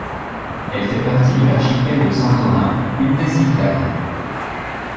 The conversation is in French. Elle fait partie de l'archipel de Santorin, une des Cyclades.